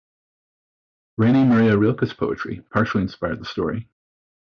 Rainer Maria Rilke's poetry partially inspired the story.